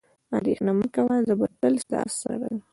اندېښنه مه کوه، زه به تل ستا سره وم.